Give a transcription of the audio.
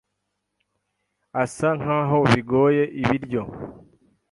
asa nkaho bigoye ibiryo.